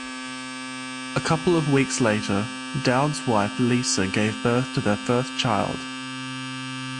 A couple of weeks later, Dowd's wife Lisa gave birth to their first child.